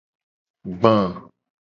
Gba.